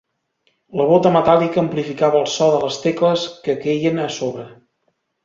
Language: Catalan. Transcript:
La bota metàl·lica amplificava el so de les tecles que queien a sobre.